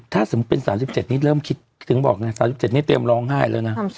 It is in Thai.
ถ้าสมมุติเป็น๓๗นี้เริ่มคิดถึงบอกไง๓๗นี่เตรียมร้องไห้แล้วนะ